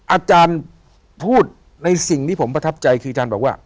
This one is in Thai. อาจารย์พูดในสิ่งที่ผมประทับใจคืออาจารย์บอกว่า